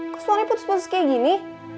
kok setelahnya putus putus kayak gini